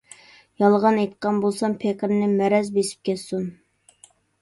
يالغان ئېيتقان بولسام، پېقىرنى مەرەز بېسىپ كەتسۇن.